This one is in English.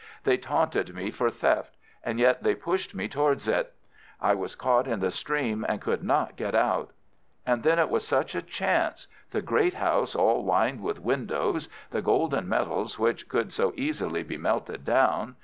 They taunted me for theft; and yet they pushed me towards it. I was caught in the stream and could not get out. And then it was such a chance: the great house all lined with windows, the golden medals which could so easily be melted down.